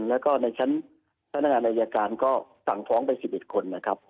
แล้วก็ในชั้นพนักงานอายการก็สั่งฟ้องไป๑๑คนนะครับ